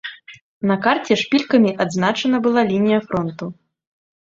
На карце шпількамі адзначана была лінія фронту.